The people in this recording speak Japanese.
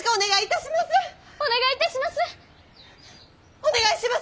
お願いします！